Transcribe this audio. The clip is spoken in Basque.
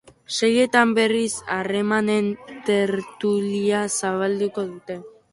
Seietan, berriz, harremanen tertulia zabalduko dute.